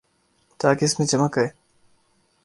تاکہ اس میں چمک آئے۔